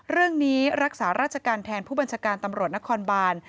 รักษาราชการแทนผู้บัญชาการตำรวจนครบาน